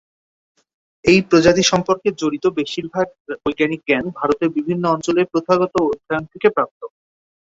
এই প্রজাতি সম্পর্কে জড়িত বেশিরভাগ বৈজ্ঞানিক জ্ঞান ভারতের বিভিন্ন অঞ্চলে প্রথাগত অধ্যয়ন থেকে প্রাপ্ত।